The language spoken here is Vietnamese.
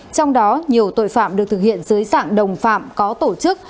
trong đó nhiều tội phạm được thực hiện dưới dạng đồng phạm có tổ chức